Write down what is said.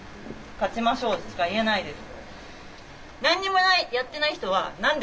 勝ちましょうしか言えないです。